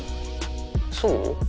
そう？